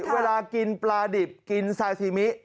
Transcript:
เวลากินปลาดิบสาซีมิ